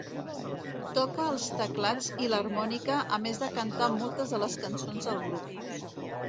Toca els teclats i l'harmònica a més de cantar moltes de les cançons del grup.